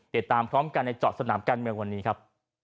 ติดตามพร้อมกันในเจาะสนามการเมืองวันนี้ครับ